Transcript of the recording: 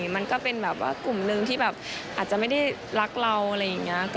มันก็เป็นแบบว่ากลุ่มหนึ่งที่แบบอาจจะไม่ได้รักเราอะไรอย่างนี้